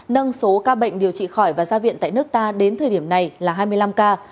nâng số ca bệnh điều trị khỏi và ra viện tại nước ta đến thời điểm này là hai mươi năm ca